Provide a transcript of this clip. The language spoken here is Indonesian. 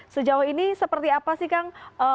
sejauh ini seperti apa sih kang